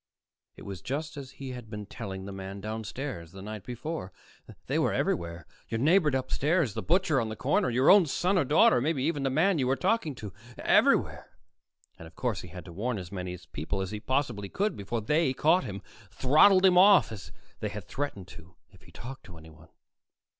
It was just as he had been telling the man downstairs the night before: they were everywhere your neighbor upstairs, the butcher on the corner, your own son or daughter, maybe even the man you were talking to everywhere! And of course he had to warn as many people as he possibly could before they caught him, throttled him off, as they had threatened to if he talked to anyone.